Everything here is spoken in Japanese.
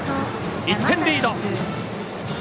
１点リード。